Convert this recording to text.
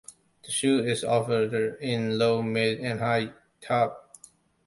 The shoe is offered in low, mid and high-top.